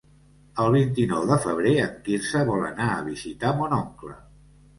El vint-i-nou de febrer en Quirze vol anar a visitar mon oncle.